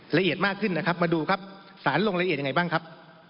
ละเอียดมากขึ้นนะครับมาดูครับสารลงละเอียดยังไงบ้างครับ